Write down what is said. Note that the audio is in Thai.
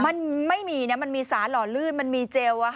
มันไม่มีนะมันมีสารหล่อลื่นมันมีเจล